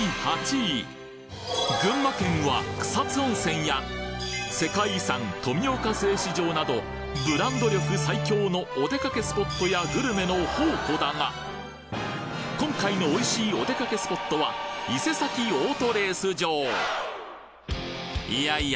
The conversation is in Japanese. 群馬県は草津温泉や世界遺産富岡製糸場などブランド力最強のおでかけスポットやグルメの宝庫だが今回のおいしいおでかけスポットはいやいや